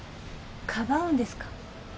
かばうんですか？